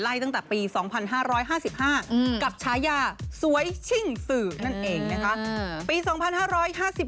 ตั้งแต่ปี๒๕๕๕กับฉายาสวยชิ่งสื่อนั่นเองนะคะ